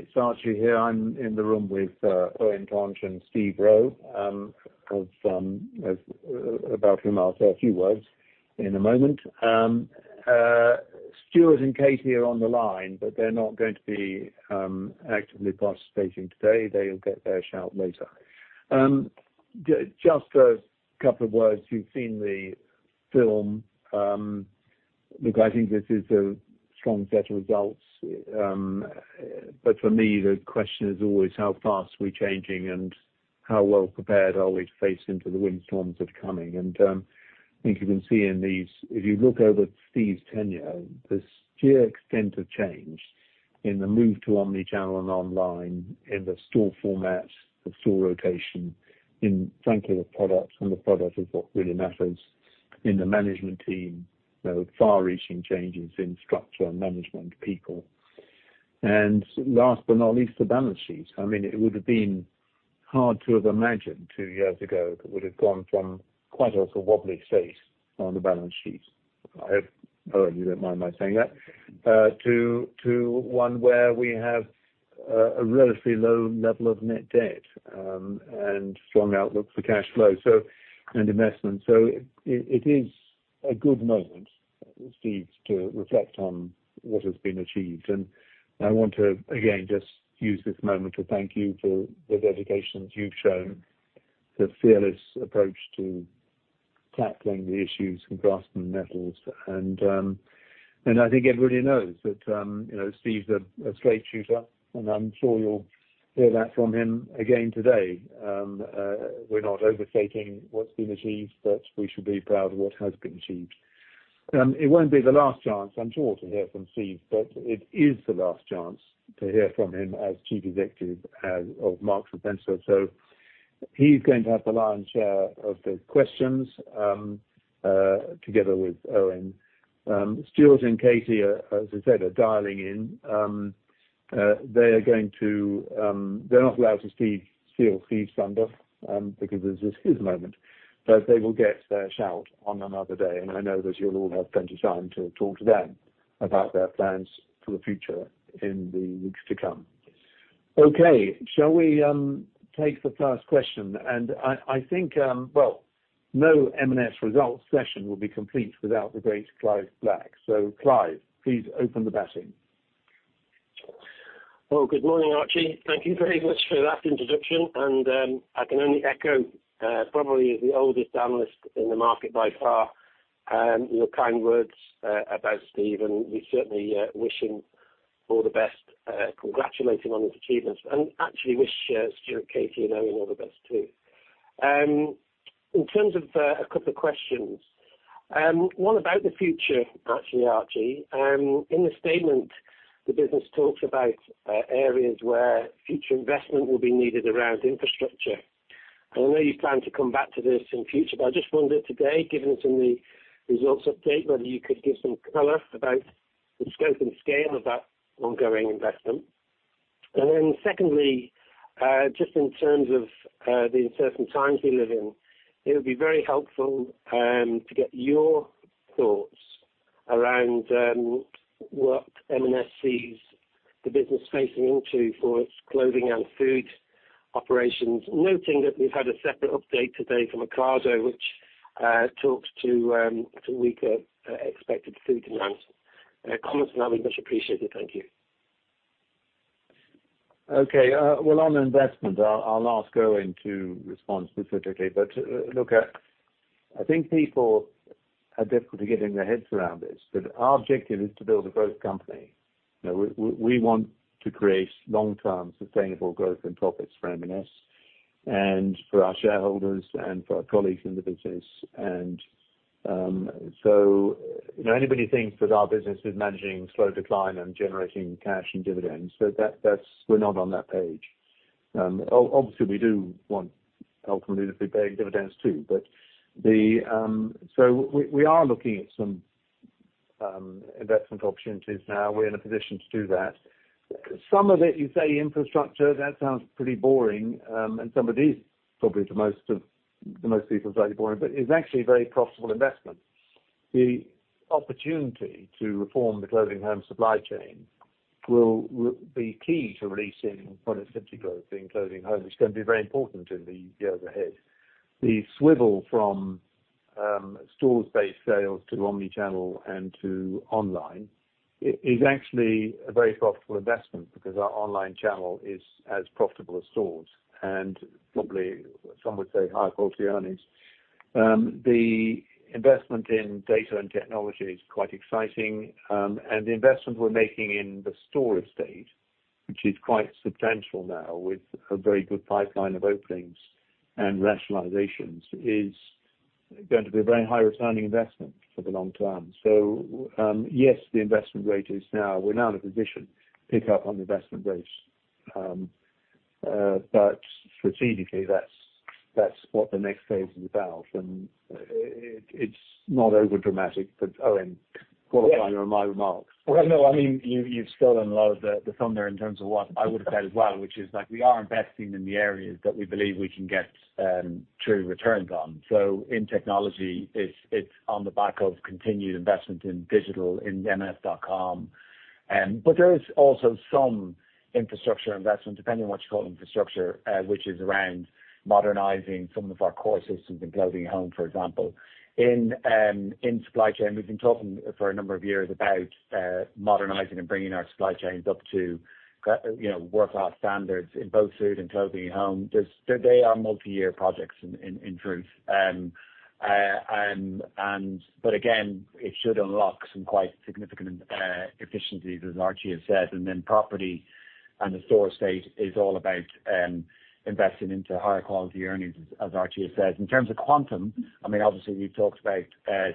It's Archie here. I'm in the room with Eoin Tonge and Steve Rowe, of about whom I'll say a few words in a moment. Stuart and Katie are on the line, but they're not going to be actively participating today. They'll get their shout later. Just a couple of words. You've seen the film. Look, I think this is a strong set of results. But for me, the question is always how fast we're changing and how well prepared are we to face into the windstorms that are coming. I think you can see in these, if you look over Steve's tenure, the sheer extent of change in the move to omni-channel and online, in the store format, the store location, in frankly, the product, and the product is what really matters. In the management team, the far-reaching changes in structure and management people. Last but not least, the balance sheet. I mean, it would have been hard to have imagined two years ago that we'd have gone from quite a wobbly state on the balance sheet. I hope, Eoin, you don't mind my saying that. To one where we have a relatively low level of net debt and strong outlook for cash flow and investment. So it is a good moment, Steve, to reflect on what has been achieved. I want to again, just use this moment to thank you for the dedication that you've shown, the fearless approach to tackling the issues with grasping the nettles. I think everybody knows that, you know, Steve's a straight shooter, and I'm sure you'll hear that from him again today. We're not overstating what's been achieved, but we should be proud of what has been achieved. It won't be the last chance, I'm sure, to hear from Steve, but it is the last chance to hear from him as Chief Executive of Marks & Spencer. He's going to have the lion's share of the questions, together with Eoin. Stuart and Katie, as I said, are dialing in. They are going to, they're not allowed to steal Steve's thunder, because this is his moment. They will get their shout on another day, and I know that you'll all have plenty of time to talk to them about their plans for the future in the weeks to come. Okay. Shall we take the first question? I think, well, no M&S results session will be complete without the great Clive Black. Clive, please open the batting. Well, good morning, Archie. Thank you very much for that introduction. I can only echo probably as the oldest analyst in the market by far your kind words about Steve, and we certainly wish him all the best congratulating on his achievements, and actually wish Stuart, Katie, and Owen all the best too. In terms of a couple of questions, one about the future, actually, Archie. In the statement, the business talks about areas where future investment will be needed around infrastructure. I know you plan to come back to this in future, but I just wondered today, given it's in the results update, whether you could give some color about the scope and scale of that ongoing investment. Secondly, just in terms of the uncertain times we live in, it would be very helpful to get your thoughts around what M&S sees the business facing into for its clothing and food operations, noting that we've had a separate update today from Ocado, which talks to weaker expected food demands. Comments from that would be much appreciated. Thank you. Okay. On investment, I'll ask Owen to respond specifically. Okay. I think people have difficulty getting their heads around this, but our objective is to build a growth company. You know, we want to create long-term sustainable growth and profits for M&S and for our shareholders and for our colleagues in the business. You know, anybody thinks that our business is managing slow decline and generating cash and dividends, so that's. We're not on that page. Obviously, we do want ultimately to be paying dividends too. We are looking at some investment opportunities now. We're in a position to do that. Some of it, you say infrastructure, that sounds pretty boring, and some of these, probably to most people, it's likely boring, but it's actually a very profitable investment. The opportunity to reform the Clothing & Home supply chain will be key to releasing productivity growth in Clothing & Home, which is going to be very important in the years ahead. The swivel from stores-based sales to omni-channel and to online is actually a very profitable investment because our online channel is as profitable as stores, and probably some would say higher quality earnings. The investment in data and technology is quite exciting. The investment we're making in the store estate, which is quite substantial now with a very good pipeline of openings and rationalizations, is going to be a very high returning investment for the long term. Yes, the investment rate is now. We're now in a position to pick up on investment rates. Strategically that's what the next phase is about, and it's not overdramatic, but Owen can Qualifying on my remarks. Well, no, I mean, you've stolen a lot of the thunder in terms of what I would have said as well, which is that we are investing in the areas that we believe we can get true returns on. In technology, it's on the back of continued investment in digital, in M&S.com. There is also some infrastructure investment, depending on what you call infrastructure, which is around modernizing some of our core systems in Clothing & Home, for example. In supply chain, we've been talking for a number of years about modernizing and bringing our supply chains up to you know, world-class standards in both Food and Clothing & Home. They are multi-year projects, in truth. Again, it should unlock some quite significant efficiencies, as Archie has said. Property and the store estate is all about investing into higher quality earnings, as Archie has said. In terms of quantum, I mean, obviously, we've talked about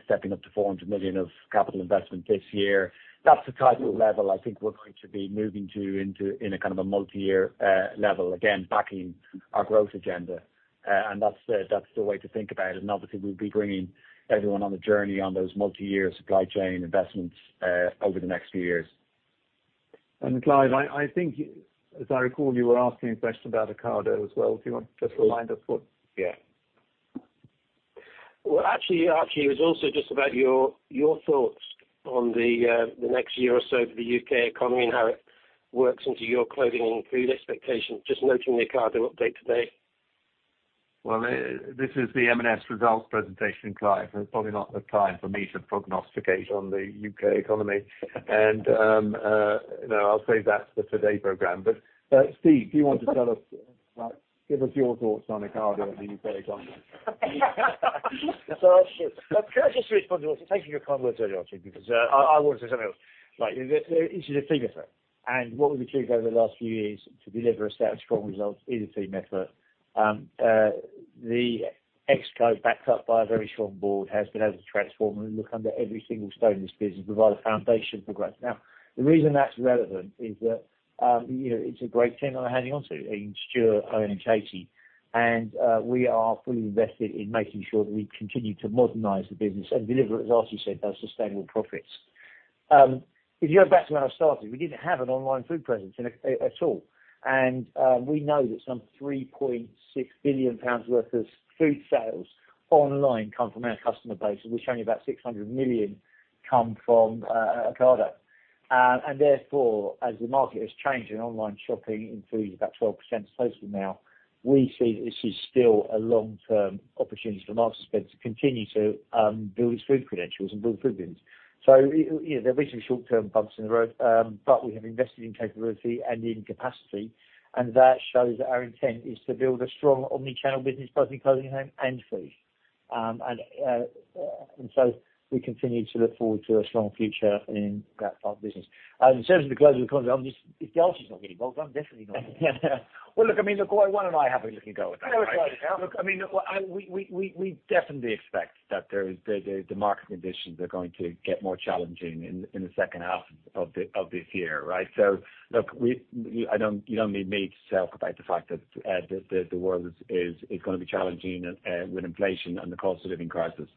stepping up to 400 million of capital investment this year. That's the type of level I think we're going to be moving into in a kind of a multi-year level, again, backing our growth agenda. That's the way to think about it. Obviously, we'll be bringing everyone on the journey on those multi-year supply chain investments over the next few years. And Clive, I think, as I recall, you were asking a question about Ocado as well. Do you want just to line up for it? Well, actually, Archie, it was also just about your thoughts on the next year or so for the U.K. economy and how it works into your Clothing & Food expectations. Just noting the Ocado update today. Well, this is the M&S results presentation, Clive. It's probably not the time for me to prognosticate on the U.K. economy. you know, I'll save that for Today programme. Steve, do you want to tell us, like, give us your thoughts on Ocado and the U.K. economy? Taking your comment earlier on, Steve, because I want to say something else. Like, this is a team effort. What we've achieved over the last few years to deliver a set of strong results is a team effort. The ExCo, backed up by a very strong board, has been able to transform and look under every single stone in this business, provide a foundation for growth. Now, the reason that's relevant is that, you know, it's a great team that I'm handing on to in Stuart, Owen, and Katie. We are fully invested in making sure that we continue to modernize the business and deliver, as Archie said, those sustainable profits. If you go back to when I started, we didn't have an online food presence at all. We know that 3.6 billion pounds worth of food sales online come from our customer base, of which only about 600 million come from Ocado. Therefore, as the market has changed and online shopping in food is about 12% of total now, we see that this is still a long-term opportunity for Marks & Spencer to continue to build its food credentials and build food business. You know, there have been some short-term bumps in the road, but we have invested in capability and in capacity, and that shows that our intent is to build a strong omni-channel business both in Clothing & Home and Food. We continue to look forward to a strong future in that part of the business. In terms of the global economy, obviously, if the answer's not here, well, I'm definitely not. Well, look, I mean, look, why don't I have a little go at that? No, go ahead. Look, I mean, we definitely expect that the market conditions are going to get more challenging in the second half of this year, right? Look, you don't need me to tell about the fact that the world is gonna be challenging with inflation and the cost of living crisis.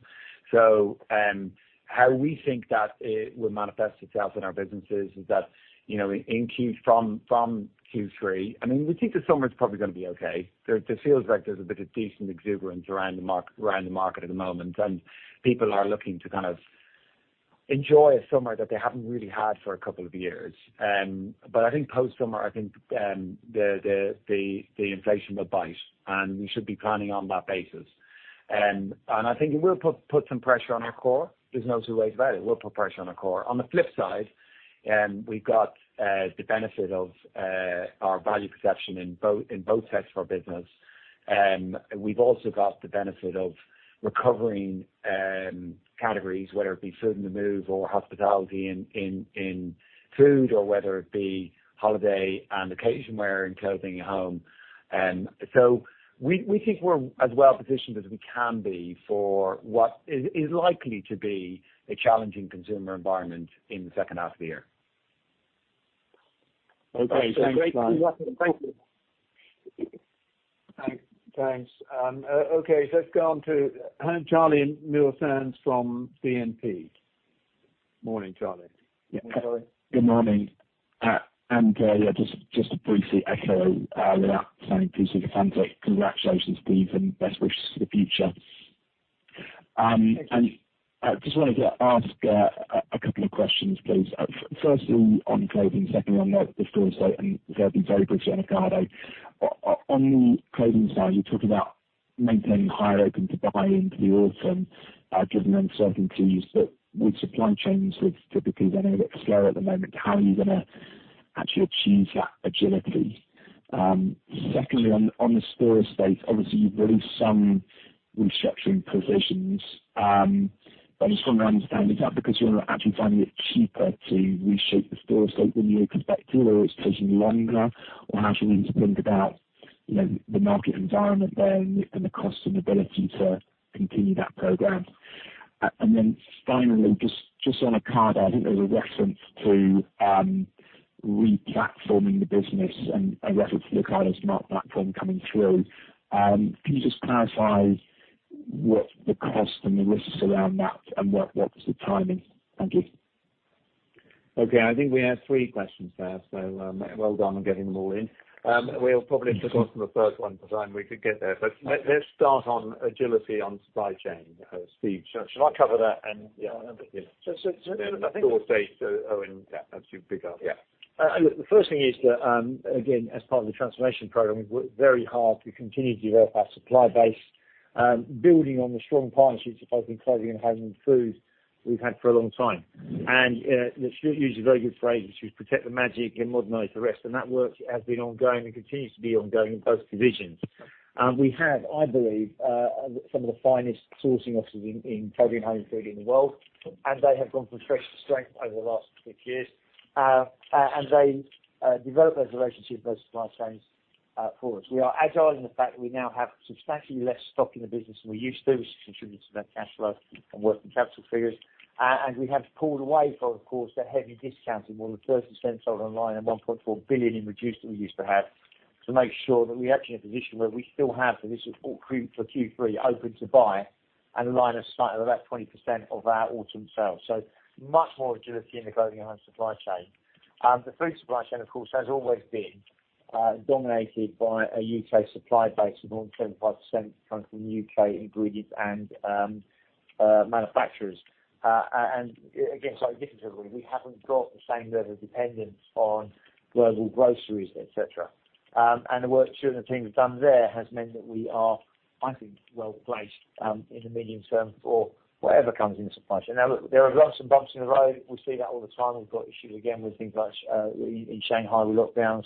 How we think that will manifest itself in our businesses is that, you know, from Q3, I mean, we think the summer's probably gonna be okay. It feels like there's a bit of decent exuberance around the market at the moment, and people are looking to kind of enjoy a summer that they haven't really had for a couple of years. I think post-summer, I think, the inflation will bite, and we should be planning on that basis. I think it will put some pressure on our core. There's no two ways about it. It will put pressure on our core. On the flip side, we've got the benefit of our value perception in both sets of our business. We've also got the benefit of recovering categories, whether it be food on the move or hospitality in food or whether it be holiday and occasion wear in Clothing & Home. And so, we think we're as well positioned as we can be for what is likely to be a challenging consumer environment in the second half of the year. Okay. Thanks, Clive. Great to be talking. Thank you. Thanks. Okay, let's go on to Charlie Muir-Sands from BNP. Morning, Charlie. Morning, Charlie. Good morning. Just a brief echo without sounding too sycophantic, congratulations, Steve, and best wishes for the future. I just wanted to ask a couple of questions, please. Firstly, on Clothing, secondly on the store estate, and thirdly, very briefly on Ocado. On the Clothing side, you talk about maintaining higher open to buy into the autumn, given uncertainties. With supply chains, which typically run a bit slower at the moment, how are you gonna actually achieve that agility? Secondly, on the store estate, obviously you've released some restructuring provisions. I just want to understand, is that because you're actually finding it cheaper to reshape the store estate than you had expected, or it's taking longer? How should we think about, you know, the market environment there and the cost and ability to continue that program? Then finally, just on Ocado, I think there's a reference to replatforming the business and reference to the kind of Smart Platform coming through. Can you just clarify what the cost and the risks around that and what was the timing? Thank you. Okay. I think we had three questions there, so, well done on getting them all in. We'll probably just go from the first one, but then we could get there. Let's start on agility on supply chain. Steve, should I cover that? Yeah, I know, but yeah. Sure. To date, Owen. Yeah, as you pick up. Yeah. Look, the first thing is that, again, as part of the transformation program, we've worked very hard to continue to develop our supply base, building on the strong partnerships with both in Clothing & Home and Food we've had for a long time. You used a very good phrase, which is protect the magic and modernize the rest, and that work has been ongoing and continues to be ongoing in both divisions. We have, I believe, some of the finest sourcing offices in Clothing & Home and Food in the world, and they have gone from strength to strength over the last six years. They develop those relationships, those supply chains, for us. We are agile in the fact that we now have substantially less stock in the business than we used to, which contributes to that cash flow and working capital figures. We have pulled away from, of course, that heavy discounting, more than 30% sold online and 1.4 billion in reductions that we used to have, to make sure that we are actually in a position where we still have. This is all Q3, open to buy and line of sight of about 20% of our autumn sales. Much more agility in the Clothing & Home supply chain. The Food supply chain, of course, has always been dominated by a U.K. supply base, with more than 75% coming from U.K. ingredients and manufacturers. We haven't got the same level of dependence on global groceries, et cetera. The work Stuart and the team have done there has meant that we are, I think, well placed in the medium term for whatever comes in supply chain. Now, look, there are lots of bumps in the road. We see that all the time. We've got issues again with things like in Shanghai, with lockdowns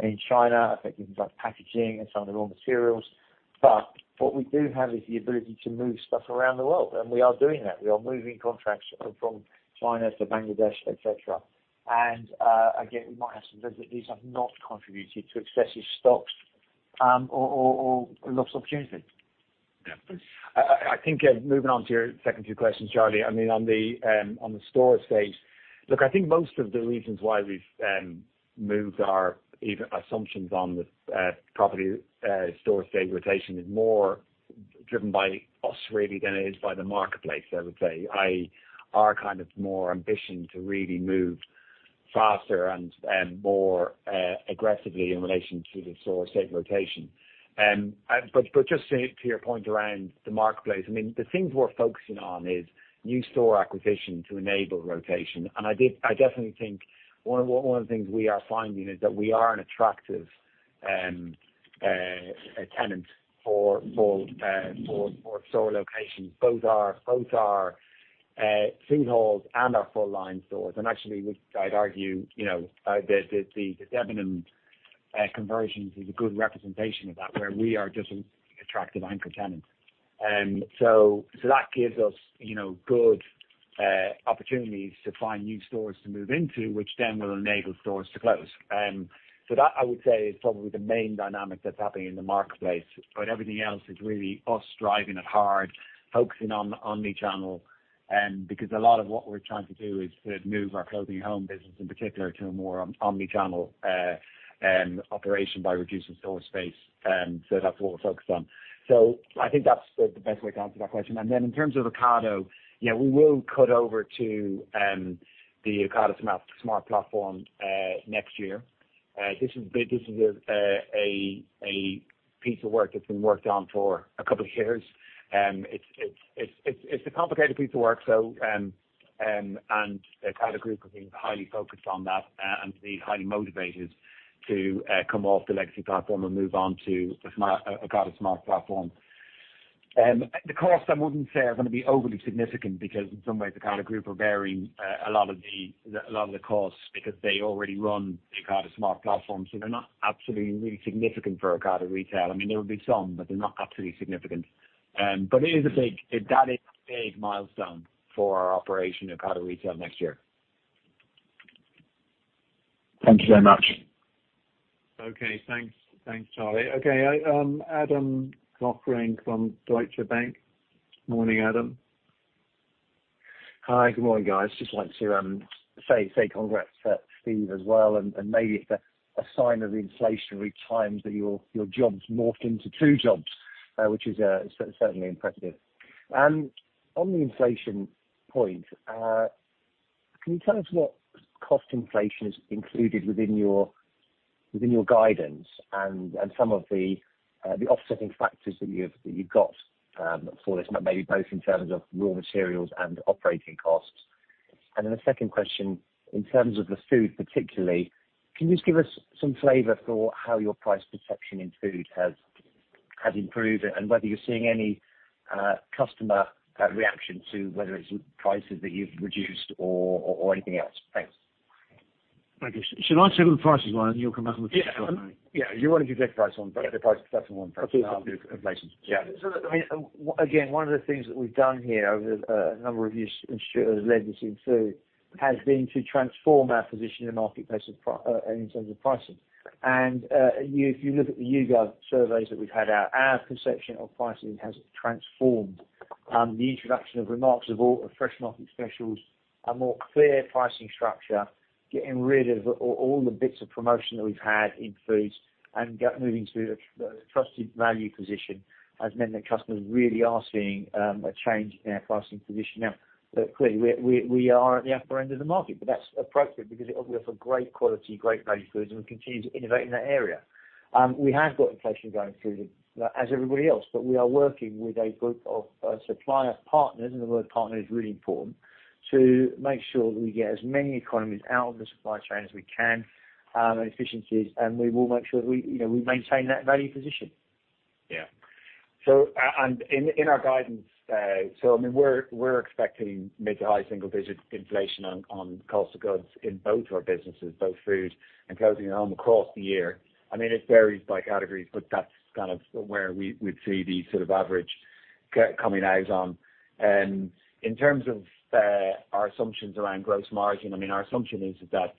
in China, affecting things like packaging and some of the raw materials. What we do have is the ability to move stuff around the world, and we are doing that. We are moving contracts from China to Bangladesh, et cetera. Again, we might have some delivery. These have not contributed to excessive stocks, or lost opportunity. I think moving on to your second few questions, Charlie, I mean, on the store estate, look, I think most of the reasons why we've moved our even assumptions on the property store estate rotation is more driven by us really than it is by the marketplace, I would say. Our kind of more ambition to really move faster and more aggressively in relation to the store estate rotation. But just to your point around the marketplace, I mean, the things we're focusing on is new store acquisition to enable rotation. I definitely think one of the things we are finding is that we are an attractive tenant for store locations. Both our food halls and our full line stores. Actually I'd argue, you know, the Debenhams conversion is a good representation of that, where we are just attractive anchor tenant. So that gives us, you know, good opportunities to find new stores to move into, which then will enable stores to close. So that I would say is probably the main dynamic that's happening in the marketplace. Everything else is really us driving it hard, focusing on omnichannel. Because a lot of what we're trying to do is to move our Clothing and Home business in particular to a more omnichannel operation by reducing store space. So that's what we're focused on. I think that's the best way to answer that question. In terms of Ocado, yeah, we will cut over to the Ocado Smart Platform next year. This is a piece of work that's been worked on for a couple of years. It's a complicated piece of work. The Ocado Group have been highly focused on that and be highly motivated to come off the legacy platform and move on to Ocado Smart Platform. The costs I wouldn't say are gonna be overly significant because in some ways, the Ocado Group are bearing a lot of the costs because they already run the Ocado Smart Platform. They're not absolutely really significant for Ocado Retail. I mean, there will be some, but they're not absolutely significant. That is a big milestone for our operation, Ocado Retail, next year. Thank you very much. Okay, thanks. Thanks, Charlie. Okay, Adam Cochrane from Deutsche Bank. Morning, Adam. Hi. Good morning, guys. Just like to say congrats to Steve as well, and maybe it's a sign of the inflationary times that your job's morphed into two jobs, which is certainly impressive. On the inflation point, can you tell us what cost inflation is included within your guidance and some of the offsetting factors that you've got for this, maybe both in terms of raw materials and operating costs? Then the second question, in terms of the food particularly, can you just give us some flavor for how your price perception in food has improved and whether you're seeing any customer reaction to whether it's prices that you've reduced or anything else? Thanks. Okay. Shall I take the prices one and you'll come back with- Yeah. the second one? Yeah. You wanna do direct price one, but the price perception one. Absolutely. I'll do the inflation. Yeah. I mean, one of the things that we've done here over the number of years Stuart has led this in Food has been to transform our position in the marketplace in terms of pricing. If you look at the YouGov surveys that we've had out, our perception of pricing has transformed. The introduction of Remarksable and Fresh Market Specials, a more clear pricing structure, getting rid of all the bits of promotion that we've had in Food and moving to the trusted value position has meant that customers really are seeing a change in their pricing position. Now, look, clearly we are at the upper end of the market, but that's appropriate because it offers a great quality, great value food, and we continue to innovate in that area. We have got inflation going through as everybody else, but we are working with a group of supplier partners, and the word partner is really important, to make sure that we get as many economies out of the supply chain as we can, and efficiencies, and we will make sure that we, you know, we maintain that value position. Yeah, so, and in our guidance, I mean, we're expecting mid- to high-single-digit inflation on cost of goods in both our businesses, both Food and Clothing & Home across the year. I mean, it varies by categories, but that's kind of where we'd see the sort of average coming out on. In terms of our assumptions around gross margin, I mean, our assumption is that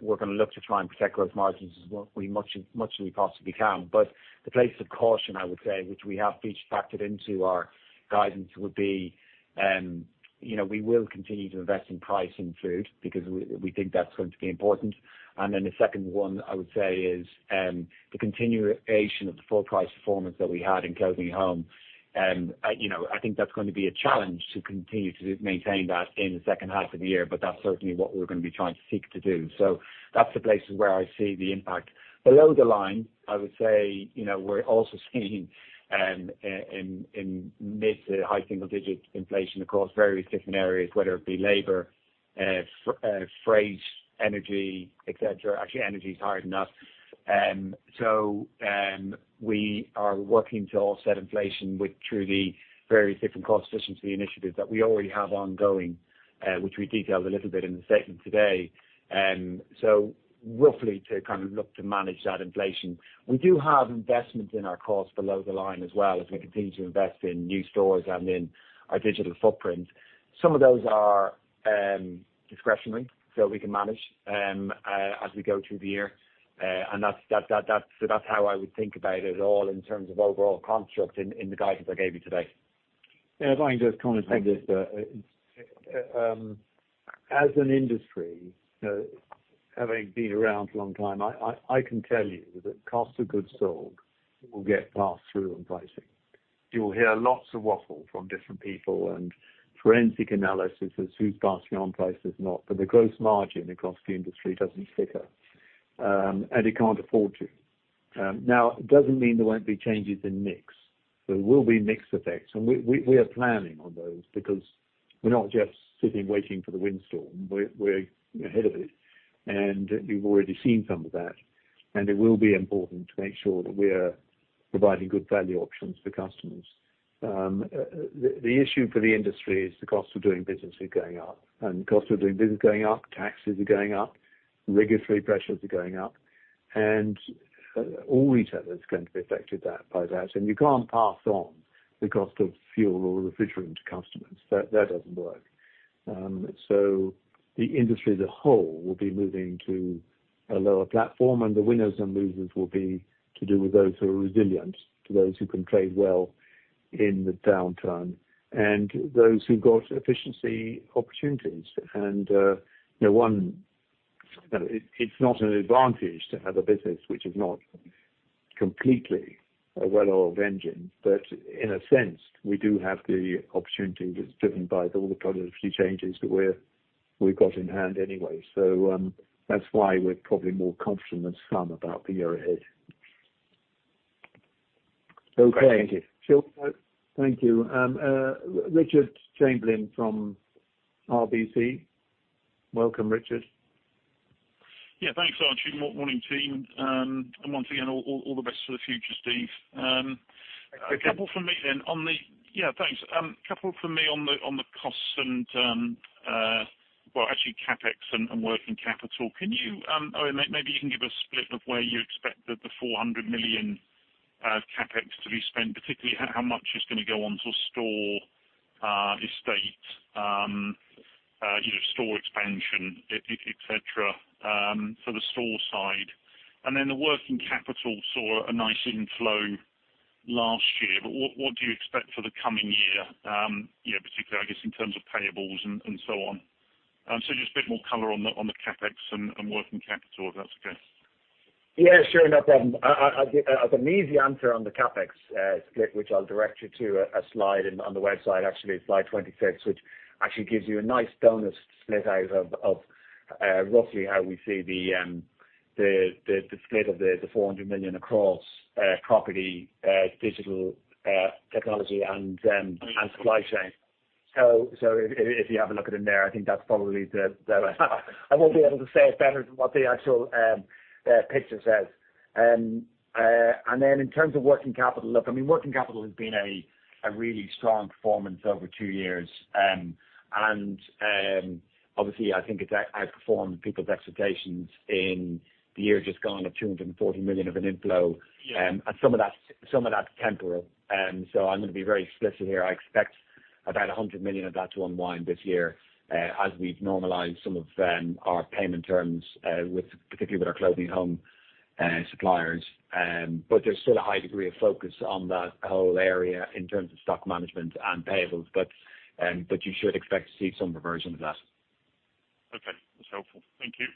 we're gonna look to try and protect gross margins as much as we possibly can. The place of caution, I would say, which we have each factored into our guidance would be, you know, we will continue to invest in price and food because we think that's going to be important. The second one I would say is the continuation of the full price performance that we had in Clothing & Home. You know, I think that's going to be a challenge to continue to maintain that in the second half of the year, but that's certainly what we're gonna be trying to seek to do. That's the places where I see the impact. Below the line, I would say, you know, we're also seeing in mid- to high-single-digit inflation across various different areas, whether it be labor, freight, energy, et cetera. Actually, energy is hard enough. We are working to offset inflation through various different cost positions for the initiatives that we already have ongoing, which we detailed a little bit in the statement today. And so, roughly to kind of look to manage that inflation. We do have investments in our costs below the line as well as we continue to invest in new stores and in our digital footprint. Some of those are discretionary, so we can manage as we go through the year. That's how I would think about it all in terms of overall construct in the guidance I gave you today. Yeah. If I can just comment on this, as an industry, you know, having been around a long time, I can tell you that cost of goods sold will get passed through on pricing. You'll hear lots of waffle from different people and forensic analysis as who's passing on prices not, but the gross margin across the industry doesn't flicker, and it can't afford to. Now it doesn't mean there won't be changes in mix. There will be mix effects, and we are planning on those because we're not just sitting waiting for the windstorm. We're ahead of it, and you've already seen some of that. It will be important to make sure that we're providing good value options for customers. The issue for the industry is the cost of doing business is going up. Cost of doing business is going up, taxes are going up, regulatory pressures are going up, and all retailers are going to be affected by that. You can't pass on the cost of fuel or refrigerant to customers. That doesn't work. The industry as a whole will be moving to a lower platform, and the winners and losers will be to do with those who are resilient, to those who can trade well in the downturn, and those who've got efficiency opportunities. You know, it's not an advantage to have a business which is not completely a well-oiled engine. In a sense, we do have the opportunity that's driven by all the productivity changes that we've got in hand anyway. That's why we're probably more confident than some about the year ahead. Okay. Thank you. Sure. Thank you. Richard Chamberlain from RBC. Welcome, Richard. Yeah. Thanks, Archie. Morning, team. Once again, all the best for the future, Steve. Thank you. A couple from me on the... Yeah, thanks. A couple from me on the costs and, well actually CapEx and working capital. Can you or maybe you can give a split of where you expect the 400 million CapEx to be spent, particularly how much is gonna go onto store estate, you know, store expansion, et cetera, for the store side. The working capital saw a nice inflow last year, but what do you expect for the coming year, you know, particularly I guess in terms of payables and so on. Just a bit more color on the CapEx and working capital, if that's okay. Yeah, sure. No problem. I as an easy answer on the CapEx split, which I'll direct you to a slide on the website, actually it's slide 26, which actually gives you a nice bonus split out of roughly how we see the split of the 400 million across property, digital, technology and supply chain. If you have a look at it in there, I think that's probably the. I won't be able to say it better than what the actual picture says. Then in terms of working capital, look, I mean, working capital has been a really strong performance over two years. Obviously I think it's outperformed people's expectations in the year just gone of 240 million of an inflow. Yeah. Some of that's temporal. So I'm gonna be very explicit here. I expect about 100 million of that to unwind this year, as we've normalized some of our payment terms with particularly our Clothing & Home suppliers. But there's still a high degree of focus on that whole area in terms of stock management and payables. You should expect to see some reversion of that. Okay. That's helpful. Thank you.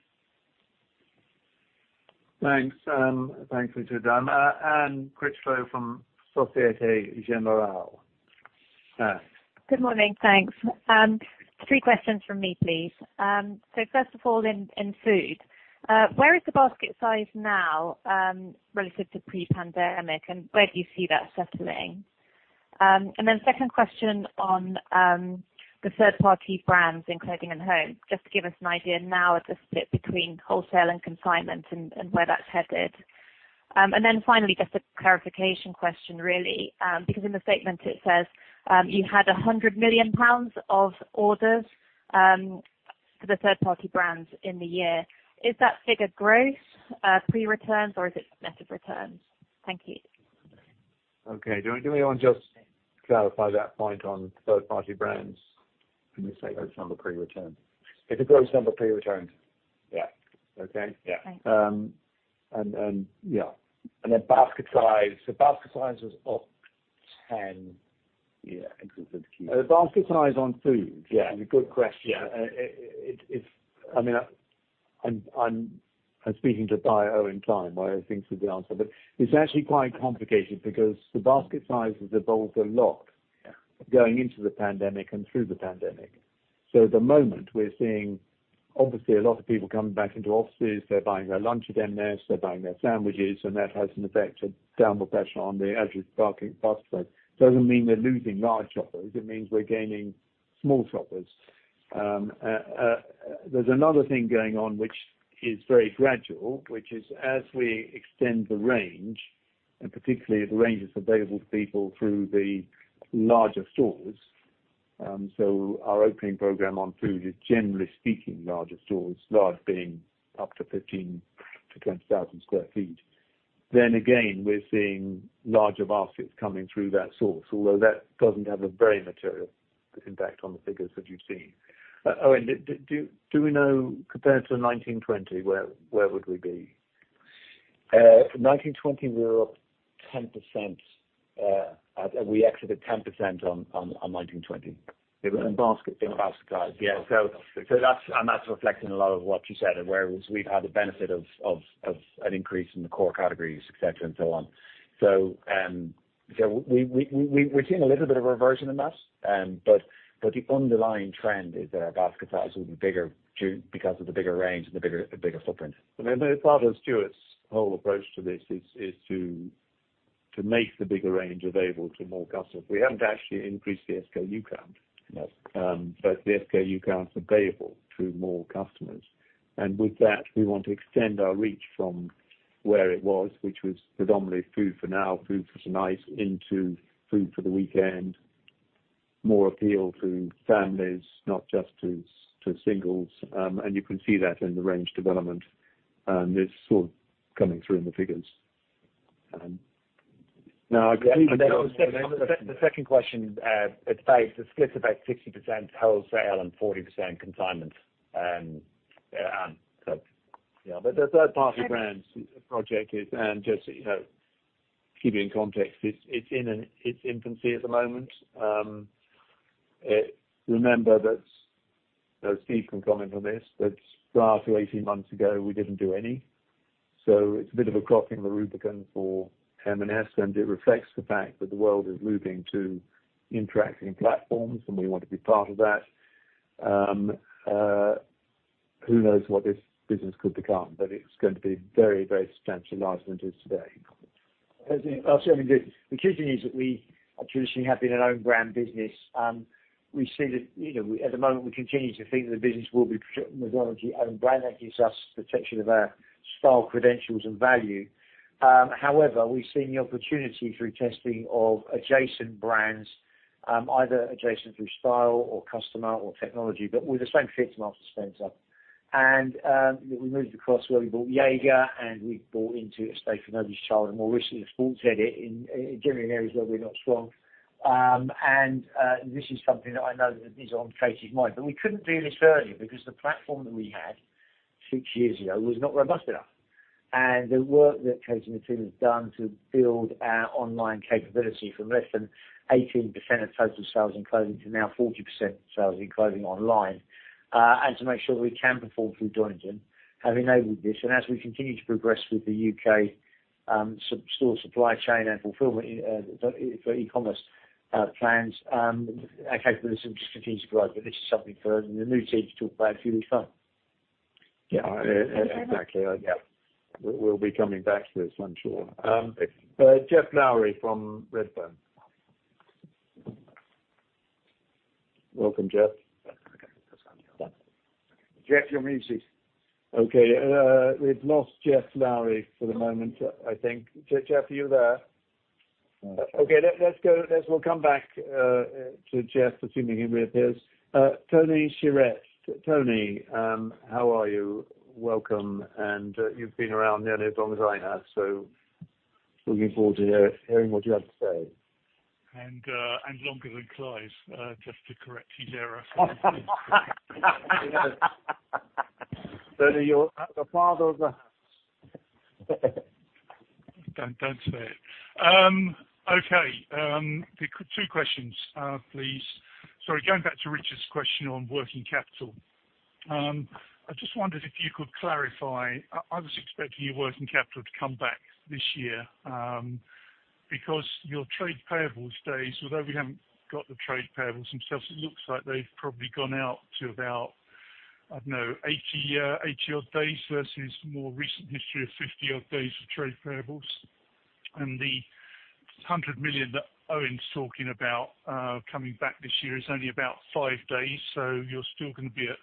Thanks, Richard. Anne Critchlow from Société Générale. Anne. Good morning, thanks. Three questions from me please. First of all, in Food, where is the basket size now, relative to pre-pandemic, and where do you see that settling? Second question on the third-party brands in Clothing & Home, just to give us an idea now of the split between wholesale and consignment and where that's headed. Finally, just a clarification question really, because in the statement it says you had 100 million pounds of orders for the third-party brands in the year. Is that figure gross, pre-returns, or is it net of returns? Thank you. Okay. Do you wanna just clarify that point on third party brands? In this case, it's number pre-returned. It's a gross number pre-returned. Yeah. Okay. Yeah. Thanks. Basket size. The basket size was up 10%. The basket size on Food. It's a good question. It's, I mean, I'm speaking to Eoin and Clive why I think should be answered, but it's actually quite complicated because the basket size has evolved a lot going into the pandemic and through the pandemic. At the moment we're seeing obviously a lot of people coming back into offices, they're buying their lunch again there, they're buying their sandwiches, and that has an effect, a downward pressure on the average basket. Doesn't mean we're losing large shoppers, it means we're gaining small shoppers. There's another thing going on which is very gradual, which is as we extend the range, and particularly the range that's available to people through the larger stores, so our opening program on food is generally speaking larger stores, large being up to 15-20,000 sq ft. Again, we're seeing larger baskets coming through that source, although that doesn't have a very material impact on the figures that you've seen. Eoin, do we know compared to 2019/2020 where would we be? 2019/2020 we were up 10%, we exited 10% on 2019/2020. It was in basket size. Yeah. That's and that's reflecting a lot of what you said, where we've had the benefit of an increase in the core categories, et cetera, and so on. We're seeing a little bit of a reversion in that, but the underlying trend is that our basket size will be bigger because of the bigger range and the bigger footprint. Part of Stuart's whole approach to this is to make the bigger range available to more customers. We haven't actually increased the SKU count. Yes. But the SKU count is available through more customers. With that, we want to extend our reach from where it was, which was predominantly food for now, food for tonight, into food for the weekend, more appeal to families, not just to singles. You can see that in the range development, this sort of coming through in the figures. The second question, it's split about 60% wholesale and 40% consignment. The third-party brands project is, just so you know, keep you in context, it's in its infancy at the moment. Remember that, you know, Steve can comment on this, that prior to 18 months ago we didn't do any. It's a bit of a crossing the Rubicon for M&S, and it reflects the fact that the world is moving to integrated platforms, and we want to be part of that. Who knows what this business could become, but it's going to be very substantially larger than it is today. I'll say this. The truth is that we traditionally have been an own brand business. We see that, you know, at the moment we continue to think the business will be predominantly own brand. That gives us protection of our style credentials and value. However, we've seen the opportunity through testing of adjacent brands, either adjacent through style or customer or technology, but with the same fit to Marks & Spencer. We moved across where we bought Jaeger, and we bought into a space for Nobody's Child and more recently The Sports Edit in generally in areas where we're not strong. This is something that I know is on Katie's mind, but we couldn't do this earlier because the platform that we had six years ago was not robust enough. The work that Katie and the team have done to build our online capability from less than 18% of total sales in clothing to now 40% sales in clothing online, and to make sure that we can perform through Joiners have enabled this. As we continue to progress with the U.K. sub store supply chain and fulfillment for e-commerce plans, but this is strategic growth, but this is something for the new team to talk about in due time. Yeah. Exactly. Yeah. We'll be coming back to this, I'm sure. Geoff Lowery from Redburn. Welcome, Geoff. Geoff, you're muted. Okay. We've lost Geoff Lowery for the moment I think. Geoff, are you there? Okay. Let's go. We'll come back to Geoff, assuming he reappears. Tony Shiret. Tony, how are you? Welcome. You've been around nearly as long as I have, so looking forward to hearing what you have to say. Longer than Clive, just to correct his error. Tony, you're the father of Don't say it. Okay. Two questions, please. Sorry, going back to Richard's question on working capital. I just wondered if you could clarify. I was expecting your working capital to come back this year, because your trade payables days, although we haven't got the trade payables themselves, it looks like they've probably gone out to about, I don't know, 80-odd days versus more recent history of 50-odd days for trade payables. The 100 million that Owen's talking about coming back this year is only about five days, so you're still gonna be at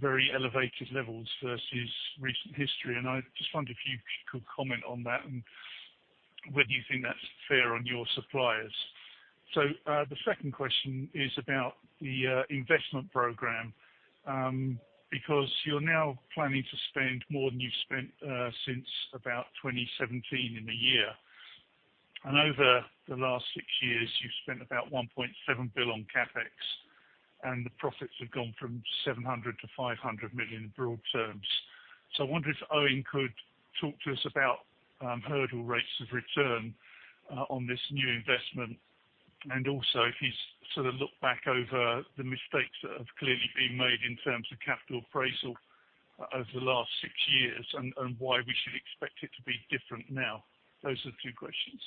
very elevated levels versus recent history. I just wondered if you could comment on that and whether you think that's fair on your suppliers. The second question is about the investment program, because you're now planning to spend more than you've spent since about 2017 in a year. Over the last six years, you've spent about 1.7 billion on CapEx, and the profits have gone from 700 million-500 million in broad terms. I wonder if Eoin could talk to us about hurdle rates of return on this new investment, and also if he's sort of looked back over the mistakes that have clearly been made in terms of capital appraisal over the last six years and why we should expect it to be different now. Those are the two questions.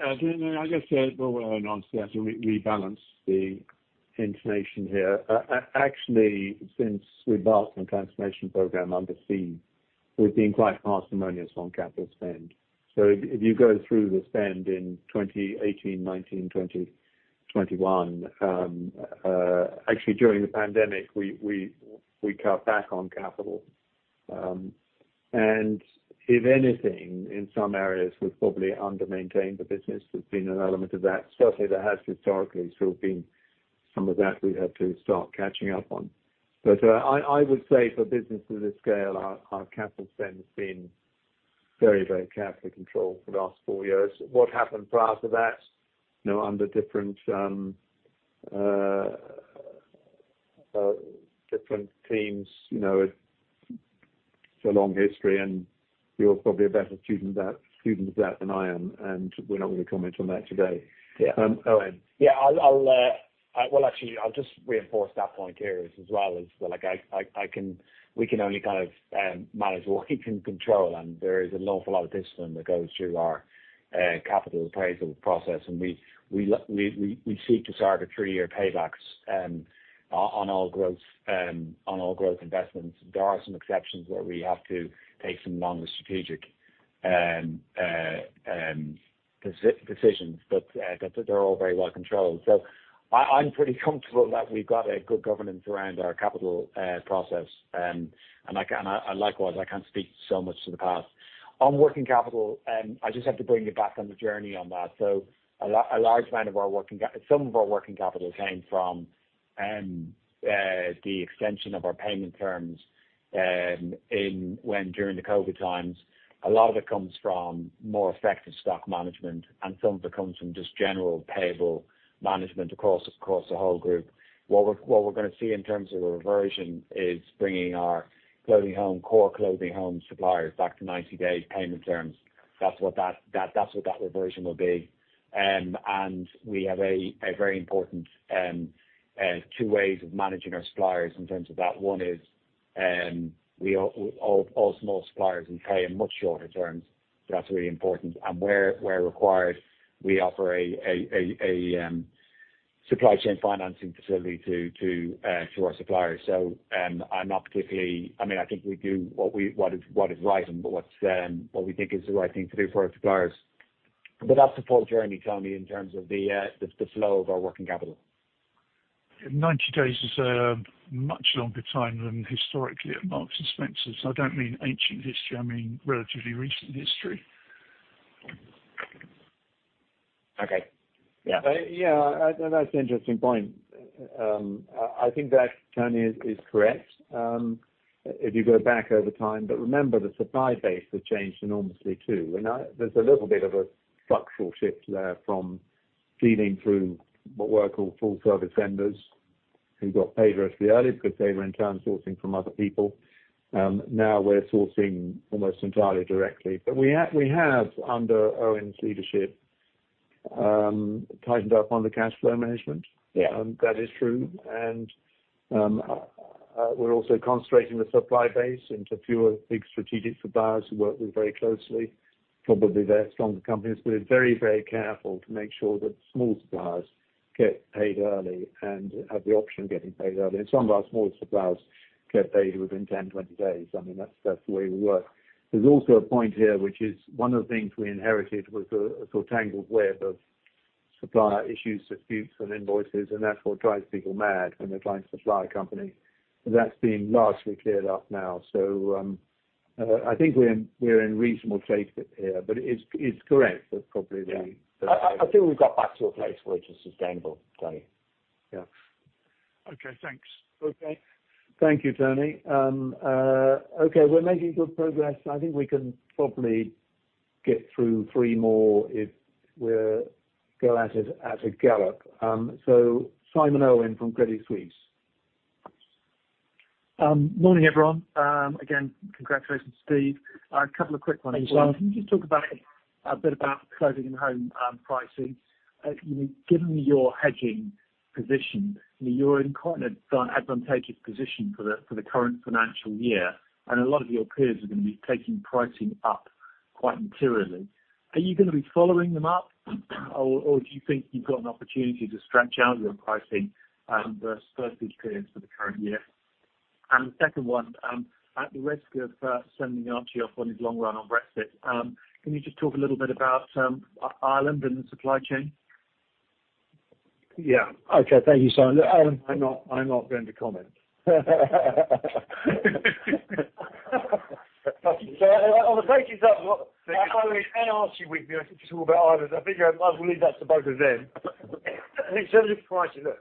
I guess, well, why don't I answer that and rebalance the information here. Actually, since we embarked on the transformation program under Steve, we've been quite parsimonious on capital spend. If you go through the spend in 2018, 2019, 2020, 2021, actually during the pandemic, we cut back on capital. If anything, in some areas, we've probably under-maintained the business. There's been an element of that. Certainly, there has historically sort of been some of that we've had to start catching up on. I would say for a business of this scale, our capital spend has been very carefully controlled for the last four years. What happened prior to that, you know, under different teams, you know, it's a long history, and you're probably a better student of that than I am, and we're not going to comment on that today. Yeah. Owen. Yeah, I'll just reinforce that point here as well as like I can. We can only kind of manage what we can control, and there is an awful lot of discipline that goes through our capital appraisal process. We seek to target three-year paybacks on all growth investments. There are some exceptions where we have to take some longer strategic decisions, but they're all very well controlled. I'm pretty comfortable that we've got a good governance around our capital process. Likewise, I can't speak so much to the past. On working capital, I just have to bring you back on the journey on that. A large amount of our working capital came from the extension of our payment terms during the COVID times. A lot of it comes from more effective stock management, and some of it comes from just general payable management across the whole group. What we're gonna see in terms of a reversion is bringing our Clothing & Home core Clothing & Home suppliers back to 90-day payment terms. That's what that reversion will be. We have a very important two ways of managing our suppliers in terms of that. One is, we pay all small suppliers in much shorter terms. That's really important. Where required, we offer a supply chain financing facility to our suppliers. I'm not particularly. I mean, I think we do what is right and what we think is the right thing to do for our suppliers. That's the full journey, Tony, in terms of the flow of our working capital. 90 days is a much longer time than historically at Marks & Spencer's. I don't mean ancient history. I mean, relatively recent history. Okay. Yeah. Yeah. That's an interesting point. I think that Tony is correct if you go back over time. Remember, the supply base has changed enormously, too. There's a little bit of a structural shift there from dealing through what were called full-service vendors who got paid relatively early because they were in turn sourcing from other people. Now we're sourcing almost entirely directly. We have, under Owen's leadership, tightened up on the cash flow management. Yeah. That is true. We're also concentrating the supply base into fewer big strategic suppliers who work with very closely. Probably they're stronger companies, but we're very, very careful to make sure that small suppliers get paid early and have the option of getting paid early. Some of our smaller suppliers get paid within 10, 20 days. I mean, that's the way we work. There's also a point here, which is one of the things we inherited was a sort of tangled web of supplier issues, disputes and invoices, and that's what drives people mad when they're trying to supply a company. That's been largely cleared up now. I think we're in reasonable shape here, but it's correct that probably the- Yeah. I think we've got back to a place which is sustainable, Tony. Yeah. Okay, thanks. Okay. Thank you, Tony. We're making good progress. I think we can probably get through three more if we go at it at a gallop. Simon Irwin from Credit Suisse. Morning, everyone. Again, congratulations, Steve. A couple of quick ones. Thank you. Can you just talk a bit about Clothing & Home pricing? You know, given your hedging position, you're in quite an advantageous position for the current financial year, and a lot of your peers are gonna be taking pricing up quite materially. Are you gonna be following them up, or do you think you've got an opportunity to stretch out your pricing versus peers for the current year? The second one, at the risk of sending Archie off on his long run on Brexit, can you just talk a little bit about Ireland and the supply chain? Yeah. Okay. Thank you, Simon. Ireland, I'm not going to comment. On the pricing side of it, look, and only Archie with me, I think you talk about Ireland. I figure I will leave that to both of them. In terms of pricing, look,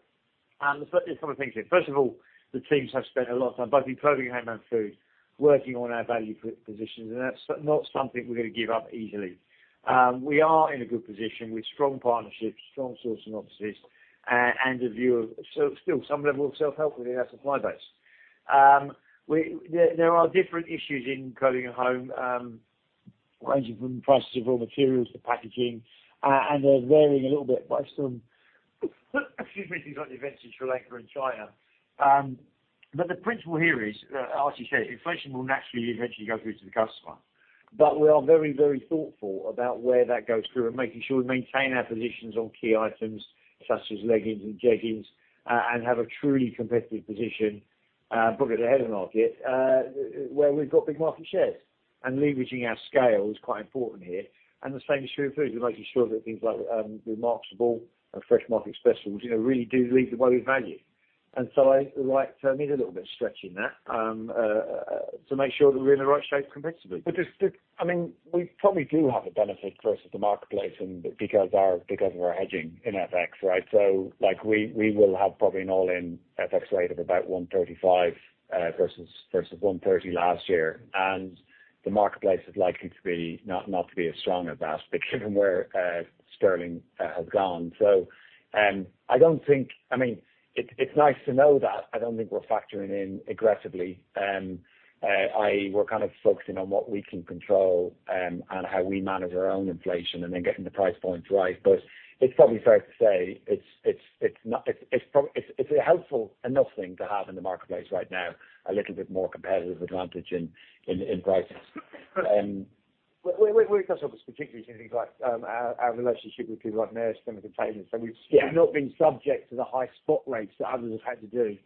there's a couple of things here. First of all, the teams have spent a lot of time, both in Clothing & Home and Food, working on our value positions, and that's not something we're going to give up easily. We are in a good position with strong partnerships, strong sourcing mixes, and a view of still some level of self-help within our supply base. There are different issues in Clothing & Home, ranging from prices of raw materials to packaging, and they're varying a little bit by a few things like the events in Sri Lanka and China. The principle here is, as Archie said, inflation will naturally eventually go through to the customer. We are very, very thoughtful about where that goes through and making sure we maintain our positions on key items such as leggings and jeggings, and have a truly competitive position, bake it ahead of market, where we've got big market shares. Leveraging our scale is quite important here. The same is true in Food. We're making sure that things like, Remarksable and Fresh Market Specials, you know, really do lead the way with value. The right term is a little bit of a stretch in that, to make sure that we're in the right shape competitively. Just, I mean, we probably do have a benefit versus the marketplace and because of our hedging in FX, right? Like, we will have probably an all-in FX rate of about GDP 1.35 versus GDP 1.30 last year. The marketplace is likely to be not to be as strong as that given where sterling has gone. I don't think. I mean, it's nice to know that. I don't think we're factoring in aggressively. We're kind of focusing on what we can control and how we manage our own inflation and then getting the price points right. It's probably fair to say it's a helpful enough thing to have in the marketplace right now, a little bit more competitive advantage in prices. Right. We've got something particular to things like our relationship with people like Maersk and the containers. We've Yeah. Not been subject to the high spot rates that others have had to do,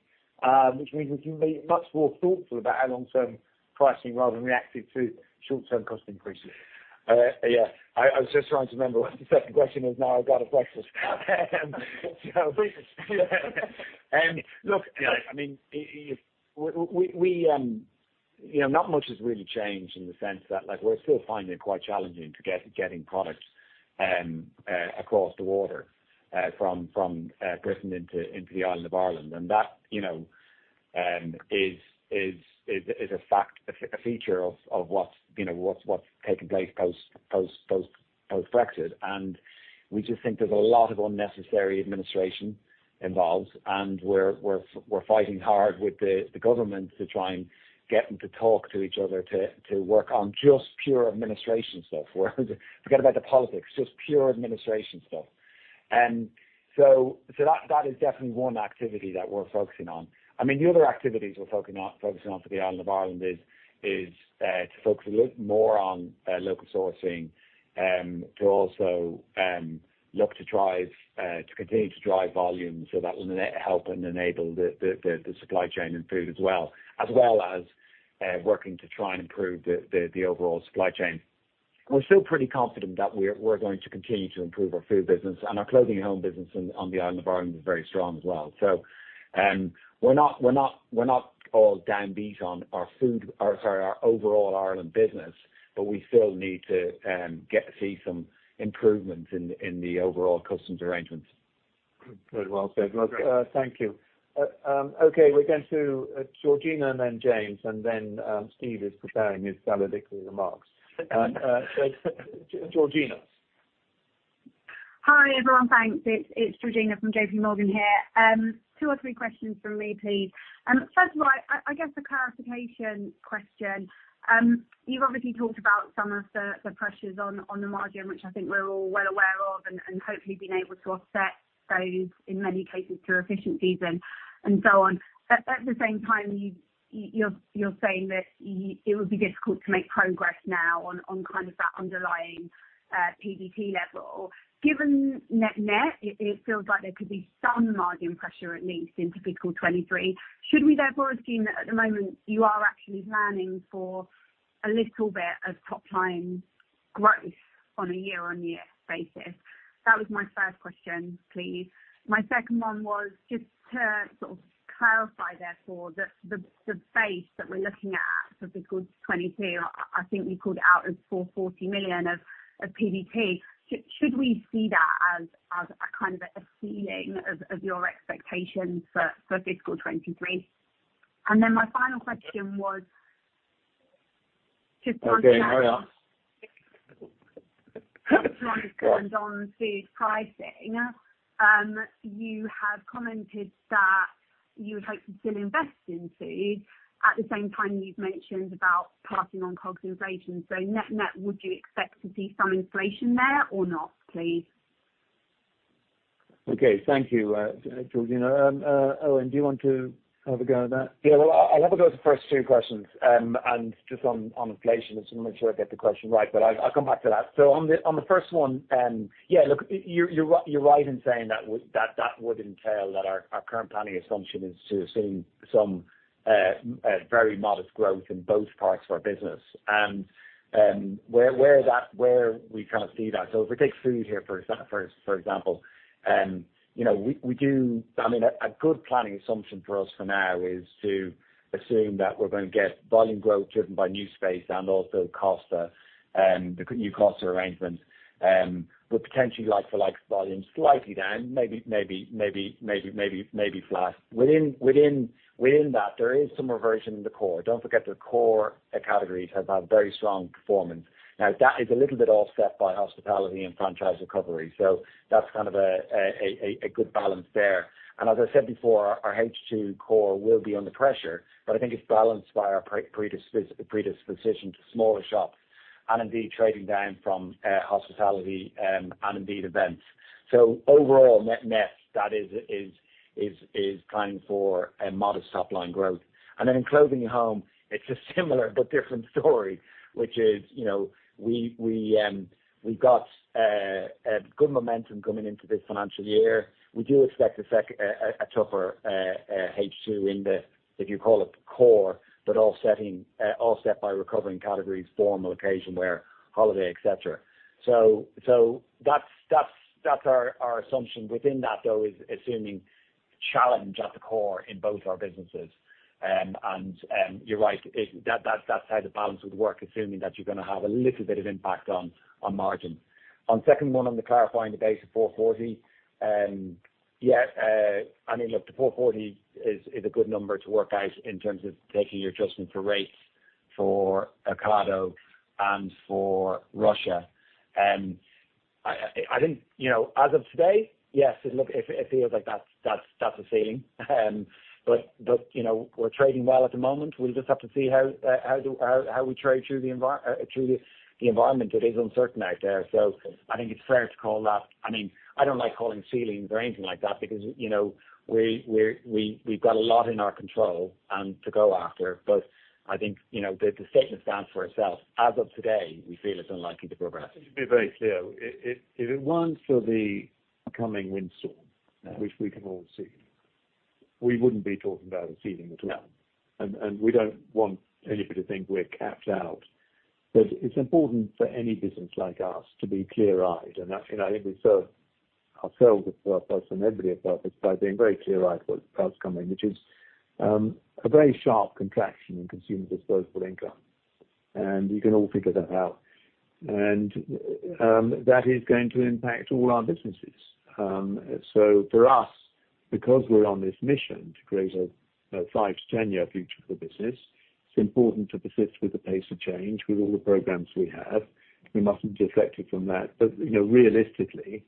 which means we can be much more thoughtful about our long-term pricing rather than reactive to short-term cost increases. I was just trying to remember what the second question is now I got to breakfast. I mean, if we, you know, not much has really changed in the sense that, like, we're still finding it quite challenging to get products across the water from Britain into the island of Ireland. That, you know, is a fact, a feature of what's taking place post-Brexit. We just think there's a lot of unnecessary administration involved, and we're fighting hard with the government to try and get them to talk to each other to work on just pure administration stuff. Forget about the politics, just pure administration stuff. That is definitely one activity that we're focusing on. I mean, the other activities we're focusing on for the island of Ireland is to focus a little more on local sourcing, to also continue to drive volume so that will help and enable the supply chain in Food as well as working to try and improve the overall supply chain. We're still pretty confident that we're going to continue to improve our food business, and our Clothing & Home business on the island of Ireland is very strong as well. We're not all downbeat on our overall Ireland business, but we still need to get to see some improvements in the overall customs arrangements. Very well said. Well, thank you. Okay, we're going to Georgina and then James, and then Steve is preparing his valedictory remarks. Georgina. Hi, everyone. Thanks. It's Georgina from JPMorgan here. Two or three questions from me, please. First of all, I guess a clarification question. You've obviously talked about some of the pressures on the margin, which I think we're all well aware of and hopefully been able to offset those in many cases through efficiencies and so on. At the same time, you're saying that it would be difficult to make progress now on kind of that underlying PBT level. Given net-net, it feels like there could be some margin pressure at least in fiscal 2023. Should we therefore assume that at the moment you are actually planning for a little bit of top-line growth on a year-on-year basis? That was my first question, please. My second one was just to sort of clarify, therefore, the base that we're looking at for fiscal 2022. I think you called out as 440 million of PBT. Should we see that as a kind of a ceiling of your expectations for fiscal 2023? Then my final question was just on. Okay. Hurry up. On food pricing. You have commented that you would hope to still invest in food at the same time you've mentioned about passing on COGS inflation. Net-net, would you expect to see some inflation there or not, please? Okay, thank you, Georgina. Owen, do you want to have a go at that? Yeah. Well, I'll have a go at the first two questions. And just on inflation, just to make sure I get the question right, but I'll come back to that. On the first one, yeah, look, you're right in saying that would entail that our current planning assumption is to assume some very modest growth in both parts of our business. Where we kind of see that, so if we take food here, for example, you know, we do. I mean, a good planning assumption for us for now is to assume that we're gonna get volume growth driven by new space and also Costa, the new Costa arrangements. Would potentially like for like volume slightly down maybe flat. Within that, there is some reversion in the core. Don't forget the core categories have had very strong performance. Now that is a little bit offset by hospitality and franchise recovery. That's kind of a good balance there. As I said before, our H2 core will be under pressure, but I think it's balanced by our predisposition to smaller shops, and indeed trading down from hospitality, and indeed events. Overall, net-net, that is planning for a modest top line growth. Then in Clothing & Home, it's a similar but different story, which is, you know, we we've got good momentum coming into this financial year. We do expect a tougher H2 in the core, if you call it core, but offset by recovering categories, formal occasion wear, holiday, et cetera. That's our assumption. Within that though is assuming challenge at the core in both our businesses. You're right. That's how the balance would work, assuming that you're gonna have a little bit of impact on margin. On the second one, clarifying the base of 440 million, yeah, I mean, look, the 440 million is a good number to work out in terms of taking your adjustment for rates for Ocado and for Russia. I think, you know, as of today, yes, look, it feels like that's the ceiling. You know, we're trading well at the moment. We'll just have to see how we trade through the environment. It is uncertain out there. I think it's fair to call that. I mean, I don't like calling ceilings or anything like that because you know, we've got a lot in our control and to go after. I think you know, the statement stands for itself. As of today, we feel it's unlikely to progress. To be very clear, if it weren't for the coming windstorm. Yeah. Which we can all see, we wouldn't be talking about a ceiling at all. No. We don't want anybody to think we're capped out. It's important for any business like us to be clear-eyed. You know, I think we serve ourselves as well as possibly everybody across it by being very clear-eyed what's coming, which is a very sharp contraction in consumer disposable income. You can all figure that out. That is going to impact all our businesses. For us, because we're on this mission to create a five to 10-year future for the business, it's important to persist with the pace of change with all the programs we have. We mustn't be deflected from that. You know, realistically,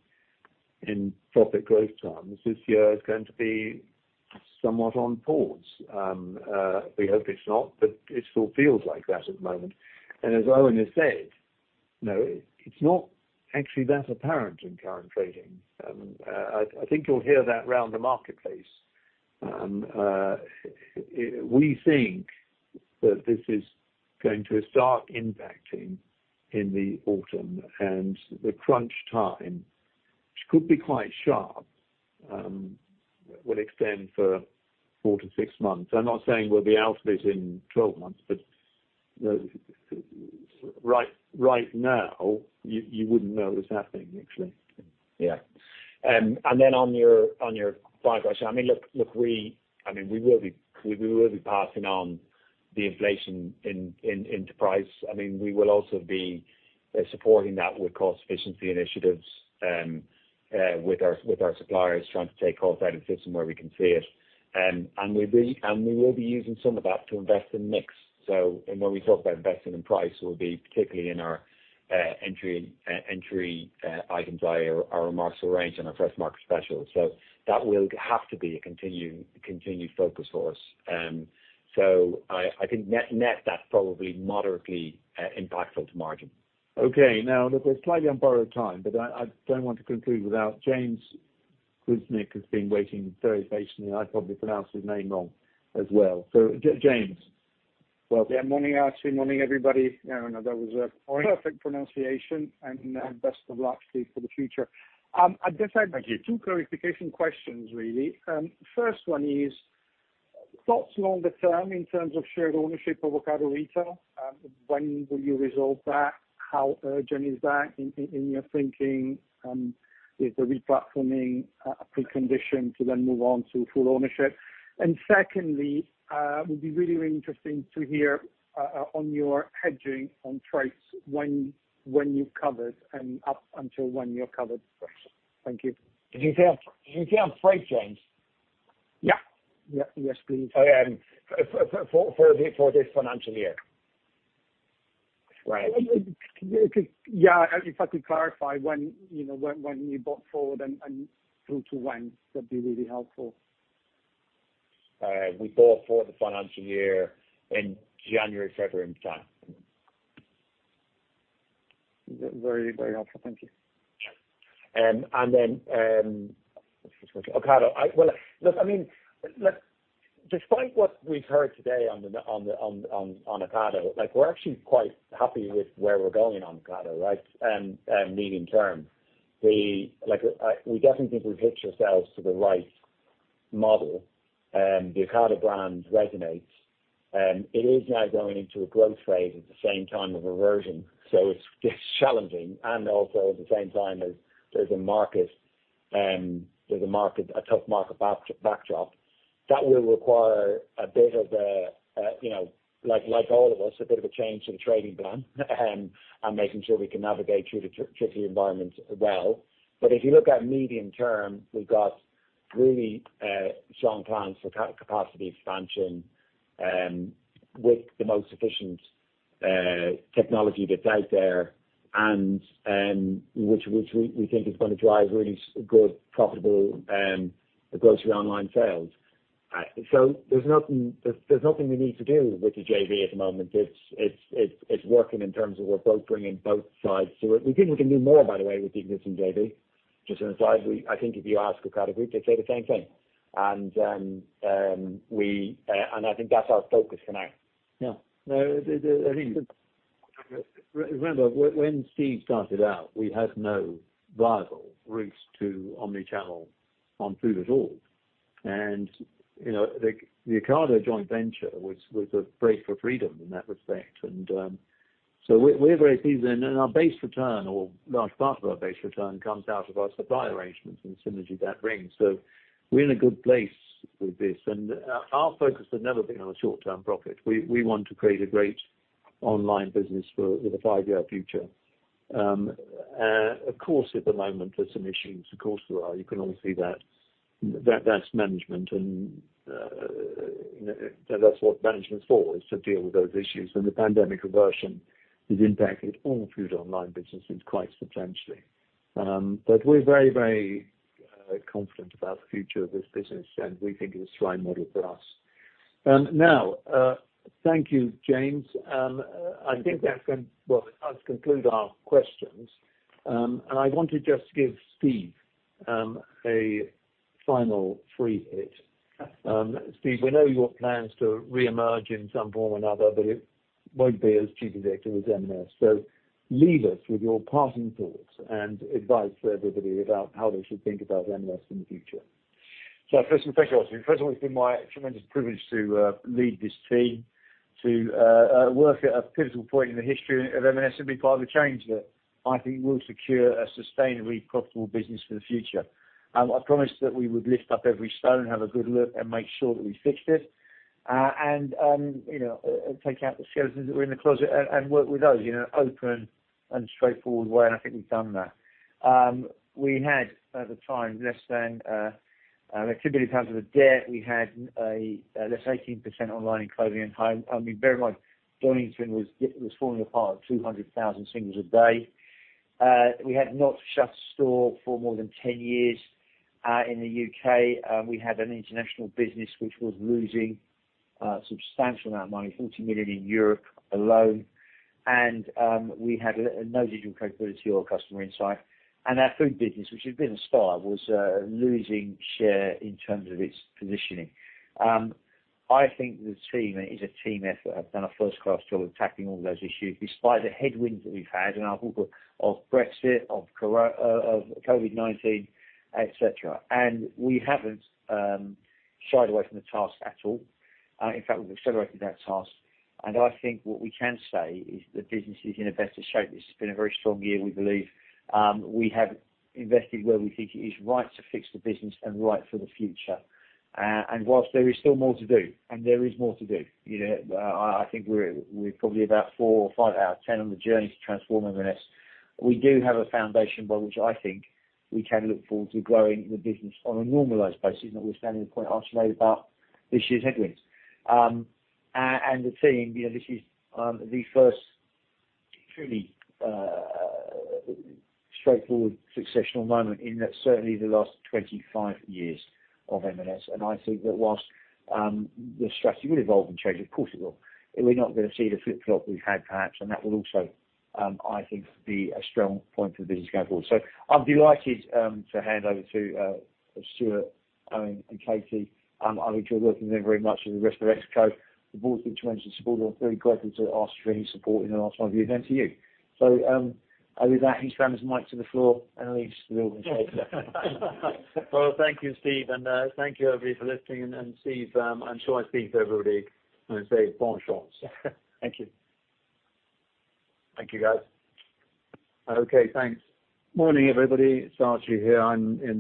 in profit growth terms, this year is going to be somewhat on pause. We hope it's not, but it still feels like that at the moment. As Owen has said, no, it's not actually that apparent in current trading. I think you'll hear that around the marketplace. We think that this is going to start impacting in the autumn and the crunch time, which could be quite sharp, will extend for four to six months. I'm not saying we'll be out of it in 12 months, but, you know, right now, you wouldn't know it was happening, actually. On your final question, I mean, look, we will be passing on the inflation into price. I mean, we will also be supporting that with cost efficiency initiatives with our suppliers, trying to take cost out of the system where we can see it. We will be using some of that to invest in mix. When we talk about investing in price, it will be particularly in our entry items by our M&S range and our Fresh Market Specials. That will have to be a continued focus for us. And so, I think net, that's probably moderately impactful to margin. Okay. Now, look, we're slightly on borrowed time, but I don't want to conclude without James Grzinic, who's been waiting very patiently, and I probably pronounced his name wrong as well. James, welcome. Yeah. Morning, Archie. Morning, everybody. Morning Perfect pronunciation and best of luck to you for the future. I just have Thank you. Two clarification questions really. First one is, thoughts longer term in terms of shared ownership of Ocado Retail, when will you resolve that? How urgent is that in your thinking? Is the re-platforming a precondition to then move on to full ownership? Secondly, it would be really, really interesting to hear on your hedging on trades when you've covered and up until when you're covered. Thank you. Did you say on freight, James? Yeah. Yes, please. Oh, yeah. For this financial year. Right. Yeah, if I could clarify when, you know, when you bought forward and through to when, that'd be really helpful. We bought forward the financial year in January, February time. Very, very helpful. Thank you. Sure. Ocado. Well, look, I mean, despite what we've heard today on the news on Ocado, like, we're actually quite happy with where we're going on Ocado, right, medium term. Like, we definitely think we've pitched ourselves to the right model. The Ocado brand resonates. It is now going into a growth phase at the same time of a version, so it's challenging. Also at the same time, there's a market, a tough market backdrop that will require a bit of a, you know, like all of us, a bit of a change to the trading plan, and making sure we can navigate through the tricky environment well. If you look at medium term, we've got really strong plans for capacity expansion with the most efficient technology that's out there and which we think is gonna drive really good profitable grocery online sales. There's nothing we need to do with the JV at the moment. It's working in terms of we're both bringing both sides to it. We think we can do more, by the way, with the existing JV, just on the side. I think if you ask Ocado Group, they'd say the same thing. I think that's our focus for now. No, the Remember when Steve started out, we had no viable route to omni-channel on food at all. You know, the Ocado joint venture was a break for freedom in that respect. We're very pleased. Our base return or large part of our base return comes out of our supply arrangements and synergy that brings. We're in a good place with this. Our focus has never been on a short-term profit. We want to create a great online business for with a five-year future. Of course, at the moment there's some issues. Of course there are. You can all see that. That's management and you know, that's what management's for is to deal with those issues. The pandemic reversion is impacting all food online businesses quite substantially. We're very confident about the future of this business, and we think it's the right model for us. Now, thank you, James. Well, that concludes our questions. I want to just give Steve a final free hit. Steve, we know your plans to reemerge in some form or another, but it won't be as chief executive of M&S. Leave us with your parting thoughts and advice for everybody about how they should think about M&S in the future. First, thank you, Archie. First of all, it's been my tremendous privilege to lead this team, to work at a pivotal point in the history of M&S and be part of a change that I think will secure a sustainably profitable business for the future. I promised that we would lift up every stone, have a good look, and make sure that we fixed it, and you know, take out the skeletons that were in the closet and work with those, you know, open and straightforward way, and I think we've done that. We had, at the time, less than activity in terms of the debt. We had less than 18% online in Clothing & Home. I mean, bear in mind, John Lewis was falling apart, 200,000 singles a day. We had not shut a store for more than 10 years in the U.K. We had an international business which was losing a substantial amount of money, 40 million in Europe alone. We had no digital capability or customer insight. Our food business, which had been a star, was losing share in terms of its positioning. I think the team, it is a team effort, have done a first-class job of tackling all those issues, despite the headwinds that we've had, and I've talked about of Brexit, of COVID-19, et cetera. We haven't shied away from the task at all. In fact, we've accelerated that task. I think what we can say is the business is in a better shape. This has been a very strong year, we believe. We have invested where we think it is right to fix the business and right for the future. Whilst there is still more to do, you know, I think we're probably about four or five out of 10 on the journey to transform M&S. We do have a foundation by which I think we can look forward to growing the business on a normalized basis, notwithstanding the point Archie made about this year's headwinds. The team, you know, this is the first truly straightforward successional moment in certainly the last 25 years of M&S. I think that whilst the strategy will evolve and change, of course it will, we're not gonna see the flip-flop we've had perhaps, and that will also, I think be a strong point for the business going forward. I'd be delighted to hand over to Stuart and Katie. I've enjoyed working with them very much and the rest of ExCo. The board's been tremendous support. I'm very grateful to Archie for his support in the last five years, and to you. With that, he slams mic to the floor and leaves the building. Well, thank you, Steve. Thank you everybody for listening. Steve, I'm sure I speak for everybody when I say bonne chance. Thank you. Thank you, guys. Okay, thanks. Morning, everybody. It's Archie here. I'm in the